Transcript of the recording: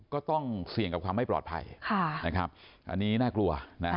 ก็ต้องเสี่ยงกับความไม่ปลอดภัยนะครับอันนี้น่ากลัวนะ